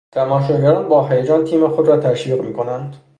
تماشاگران با هیجان تیم خود را تشویق میکنند.